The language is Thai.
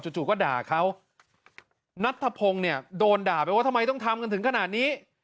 จู่ก็ด่าเขานัทธพงศ์เนี่ยโดนด่าไปว่าทำไมต้องทำกันถึงขนาดนี้